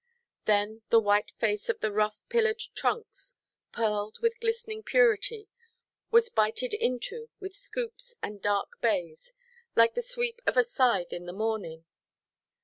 Then the white face of the rough pillared trunks, pearled with glistening purity, was bighted into with scoops and dark bays, like the sweep of a scythe in the morning.